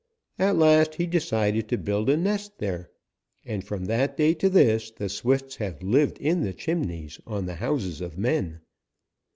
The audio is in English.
At last he decided to build a nest there. And from that day to this, the Swifts have lived in the chimneys on the houses of men.